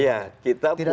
ya kita punya